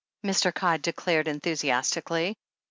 Mr. Codd declared enthusiastically.